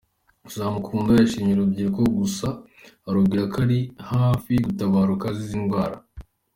Uzamukunda yashimye uru rubyiruko gusa arubwira ko ari hafi gutabaruka azize inzara.